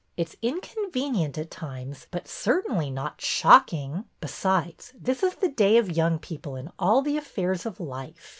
It 's inconvenient at times, but certainly not shocking. Besides, this is the day of young people in all the affairs of life."